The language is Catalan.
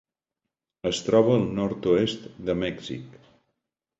Es troba al nord-oest de Mèxic.